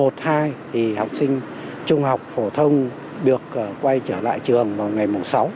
thì học sinh trung học phổ thông được quay trở lại trường vào ngày sáu